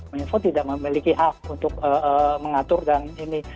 meninfo tidak memiliki hak untuk mengatur dan ini